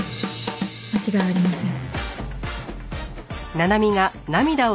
間違いありません。